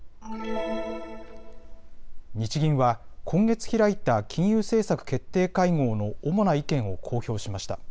日銀は今月開いた金融政策決定会合の主な意見を公表しました。